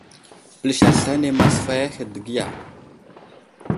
Pəlis aslane masfay ahe dəgiya.